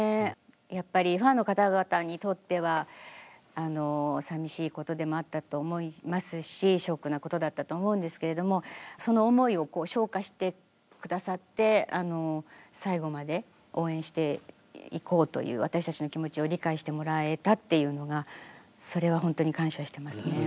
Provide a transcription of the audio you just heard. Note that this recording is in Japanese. やっぱりファンの方々にとっては寂しいことでもあったと思いますしショックなことだったと思うんですけれどもその思いを消化してくださって最後まで応援していこうという私たちの気持ちを理解してもらえたっていうのがそれはほんとに感謝してますね。